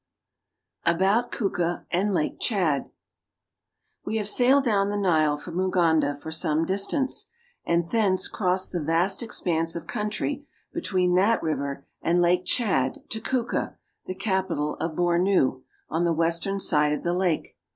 ABOUT KUKA AND LAKE TCHAD WE have sailed down the Nile from Uganda for some distance, and thence crossed the vast expanse of country between that river and Lake Tchad to Kuka, the capital of Bornu (b6r noo'), on the western side of the lake.